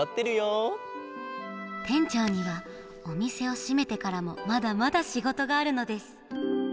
てんちょうにはおみせをしめてからもまだまだしごとがあるのです。